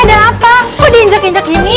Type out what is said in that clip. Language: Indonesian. allah azim ini ada apa kok diinjak injak gini